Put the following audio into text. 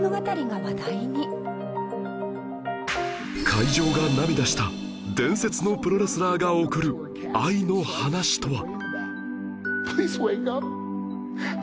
会場が涙した伝説のプロレスラーが贈る愛の話とは？